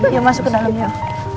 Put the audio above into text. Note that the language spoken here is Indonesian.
iya masuk ke dalam yuk